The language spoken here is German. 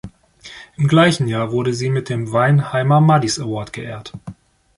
Im gleichen Jahr wurde sie mit dem Weinheimer „Muddy’s Award“ geehrt.